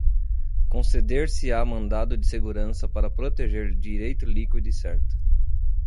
conceder-se-á mandado de segurança para proteger direito líquido e certo